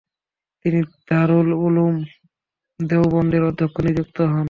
তিনি দারুল উলুম দেওবন্দের অধ্যক্ষ নিযুক্ত হন।